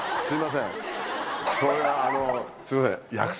すいません。